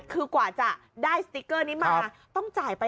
คือกว่าจะได้สติ๊กเกอร์นี้มา